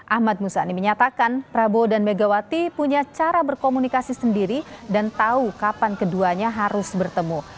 ahmad musani menyatakan prabowo dan megawati punya cara berkomunikasi sendiri dan tahu kapan keduanya harus bertemu